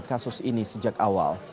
kasus ini sejak awal